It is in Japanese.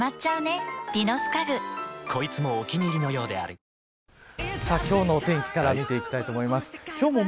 その後、９時から今日のお天気から見ていきたいと思います。